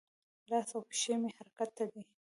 لاس او پښې مې حرکت ته دي.